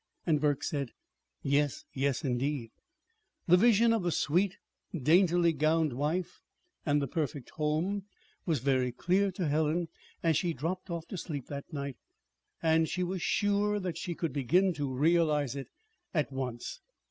And Burke said, "Yes, yes, indeed." The vision of the sweet, daintily gowned wife and the perfect home was very clear to Helen as she dropped off to sleep that night; and she was sure that she could begin to realize it at once.